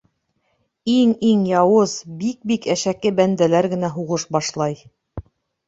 Иң-иң яуыз, бик-бик әшәке бәндәләр генә һуғыш башлай.